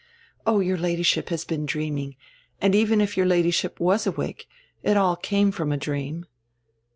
Oh, your Ladyship has been dreaming, and even if your Ladyship was awake, it all came from a dream."